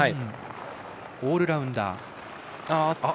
オールラウンダー。